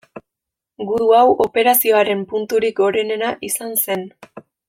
Gudu hau operazioaren punturik gorenena izan zen.